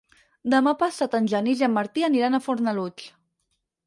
Demà passat en Genís i en Martí aniran a Fornalutx.